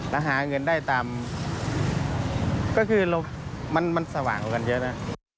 แล้วหาเงินได้ตามมันสว่างกันเยอะนะ